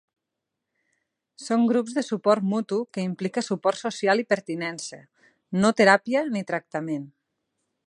Són grups de suport mutu que implica suport social i pertinença, no teràpia ni tractament.